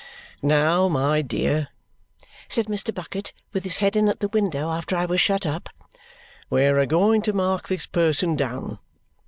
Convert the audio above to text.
"Now, my dear," said Mr. Bucket, with his head in at the window after I was shut up. "We're a going to mark this person down.